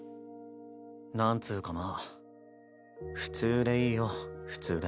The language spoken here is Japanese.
なんつぅかまあ普通でいいよ普通で。